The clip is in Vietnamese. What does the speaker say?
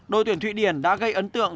đội tuyển thụy điển đã gây ấn tượng